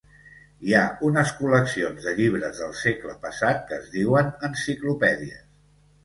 Hi ha unes col·leccions de llibres del segle passat que es diuen enciclopèdies.